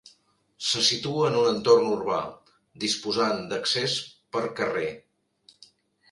Se situa en un entorn urbà, disposant d'accés per carrer.